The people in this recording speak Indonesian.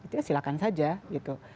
itu silakan saja gitu